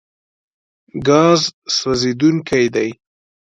ګاز سوځېدونکی دی.